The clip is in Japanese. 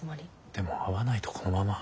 でも会わないとこのまま。